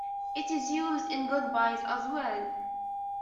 It is used in goodbyes as well.